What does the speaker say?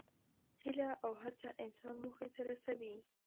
هیله او هڅه انسان موخې ته رسوي.